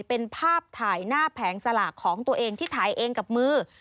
เป็นภาพถ่ายหน้าแผงสลากของตัวเองที่ถ่ายเองกับมือ